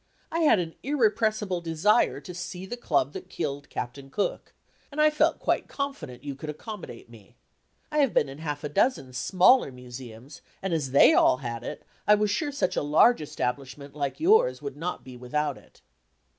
I had an irrepressible desire to see the club that killed Captain Cook, and I felt quite confident you could accommodate me. I have been in half a dozen smaller museums, and as they all had it, I was sure a large establishment like yours would not be without it."